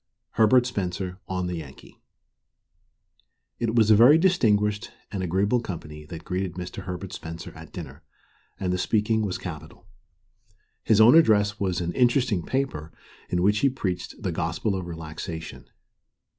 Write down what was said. HERBERT SPENCER ON THE YANKEE It was a very distinguished and agreeable company that greeted Mr. Herbert Spencer at dinner, and the speaking was capital. His own address was an interesting paper, in which he preached "the gospel of relaxation."